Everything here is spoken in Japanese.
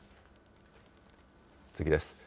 次です。